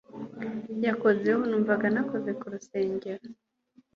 yakozeho. numvaga nakoze ku rusengero